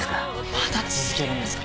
「まだ続けるんですか？」